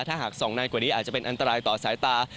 ถ้าหากส่องนานกว่านี้อาจจะเป็นอันตรายต่อสายตา